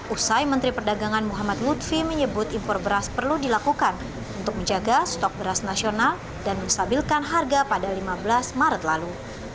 usai menteri perdagangan muhammad lutfi menyebut impor beras perlu dilakukan untuk menjaga stok beras nasional dan menstabilkan harga pada lima belas maret lalu